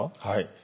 はい。